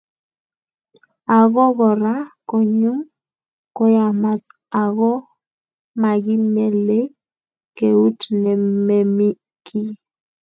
ako kora konyu koyamat ako makimelei keut nememi kiy